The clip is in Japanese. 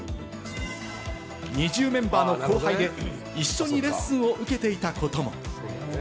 ＮｉｚｉＵメンバーの後輩で、一緒にレッスンを受けていたことも。